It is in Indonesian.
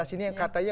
ini yang katanya